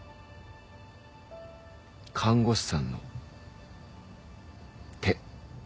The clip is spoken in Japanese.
看護師さんの手。